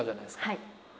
はい。